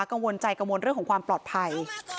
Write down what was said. กังวลใจกังวลเรื่องของความปลอดภัย